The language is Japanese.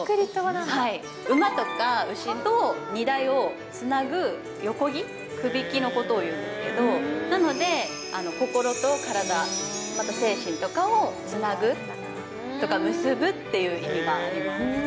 馬とか牛と、荷台をつなぐ横木、くびきのことを言うんですけど、なので、心と体、また精神とかをつなぐとか、結ぶっていう意味があります。